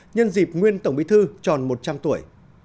nhân dịp nguyên tổng bí thư tròn một trăm linh tuổi